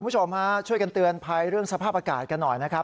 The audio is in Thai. คุณผู้ชมฮะช่วยกันเตือนภัยเรื่องสภาพอากาศกันหน่อยนะครับ